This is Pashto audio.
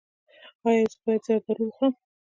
ایا زه باید زردالو وخورم؟